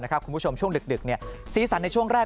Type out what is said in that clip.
คุณผู้ชมช่วงดึกสีสันในช่วงแรก